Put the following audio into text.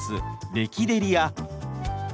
「レキデリ」や。